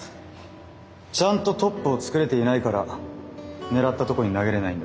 ちゃんとトップを作れていないから狙ったとこに投げれないんだ。